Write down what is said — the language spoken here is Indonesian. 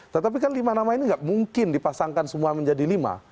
tetapi kan lima nama ini tidak mungkin dipasangkan semua menjadi lima